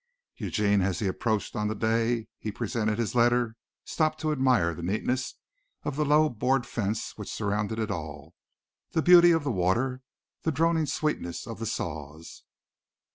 Eugene, as he approached on the day he presented his letter, stopped to admire the neatness of the low board fence which surrounded it all, the beauty of the water, the droning sweetness of the saws.